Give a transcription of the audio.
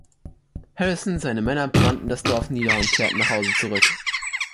Harrison seine Männer brannten das Dorf nieder und kehrten nachhause zurück.